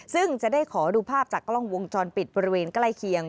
ซึ่งจะได้ขอดูภาพจากกล้องวงจรปิดบริเวณใกล้เคียง